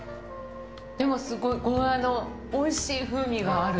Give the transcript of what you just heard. でも、すごいゴーヤのおいしい風味がある。